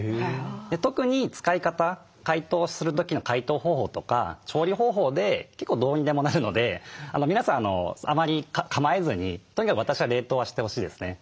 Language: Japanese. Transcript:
特に使い方解凍する時の解凍方法とか調理方法で結構どうにでもなるので皆さんあまり構えずにとにかく私は冷凍はしてほしいですね。